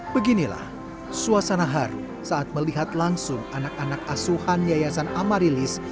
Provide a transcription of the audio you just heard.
beginilah suasana haru saat melihat langsung anak anak asuhan yayasan amarilis